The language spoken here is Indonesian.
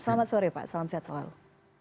selamat sore pak salam sehat selalu